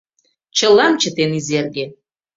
Чылам чытен Изерге —